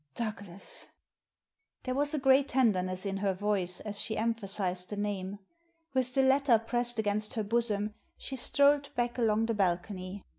Douglas !" There was a great tenderness in her voice as she emphasised the name. With the letter pressed against her bosom she strolled back along the bal cony.